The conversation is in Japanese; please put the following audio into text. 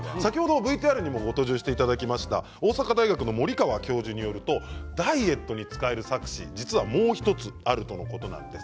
ＶＴＲでもご登場いただきました大阪大学の森川教授によるとダイエットに使える錯視はもう１つあるということなんです。